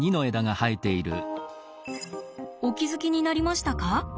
お気付きになりましたか？